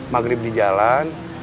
maghrib di jalan